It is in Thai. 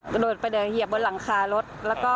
กระโดดไปเลยเหยียบบนหลังคารถแล้วก็